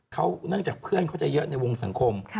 เขาเนื่องจากเพื่อนเขาจะเยอะในวงสังคม